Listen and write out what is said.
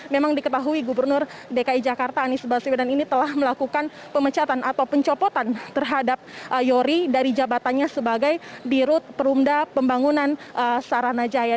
memang diketahui gubernur dki jakarta anies baswedan ini telah melakukan pemecatan atau pencopotan terhadap yori dari jabatannya sebagai dirut perumda pembangunan saranajaya